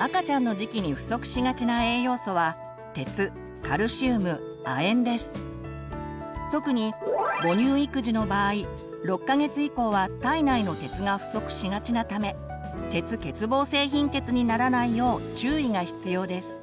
赤ちゃんの時期に不足しがちな栄養素は特に母乳育児の場合６か月以降は体内の鉄が不足しがちなため鉄欠乏性貧血にならないよう注意が必要です。